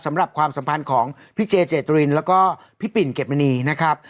ความสัมพันธ์ของพี่เจเจตรินแล้วก็พี่ปิ่นเก็บมณีนะครับ